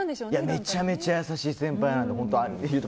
めちゃめちゃ優しい先輩なので。